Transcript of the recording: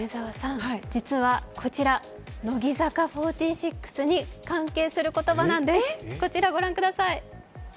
実はこちら乃木坂４６に関係する言葉なんです。